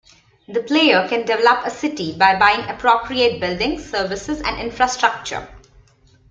The player can develop a city by buying appropriate buildings, services and infrastructure.